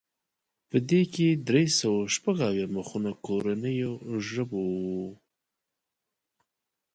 په دې کې درې سوه شپږ اویا مخونه کورنیو ژبو وو.